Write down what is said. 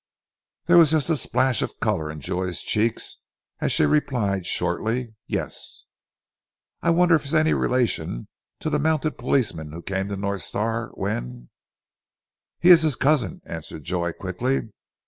There was just a splash of colour in Joy's cheeks as she replied shortly, "Yes!" "I wonder if he is any relation of that Mounted policeman who came to North Star, when " "He is his cousin," answered Joy quickly.